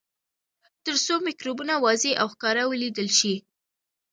تر څو مکروبونه واضح او ښکاره ولیدل شي.